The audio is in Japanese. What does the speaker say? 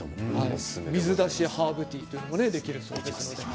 水出しハーブティーというのもできるそうです。